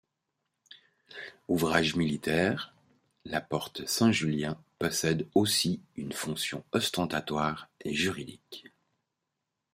Ouvrage militaire, la porte Saint-Julien possède aussi une fonction ostentatoire et juridique.